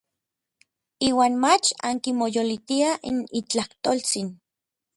Iuan mach ankimoyolotiaj n itlajtoltsin.